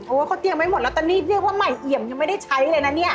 เขาเตรียมไว้หมดแล้วตอนนี้เรียกว่าใหม่เอี่ยมยังไม่ได้ใช้เลยนะเนี่ย